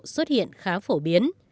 xuất hiện khá phổ biến